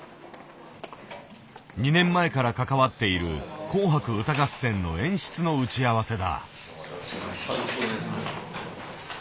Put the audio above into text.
２年前から関わっている「紅白歌合戦」の演出の打ち合わせだ。